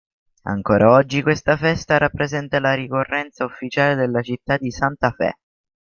Ancora oggi questa festa rappresenta la ricorrenza ufficiale della città di Santa Fe.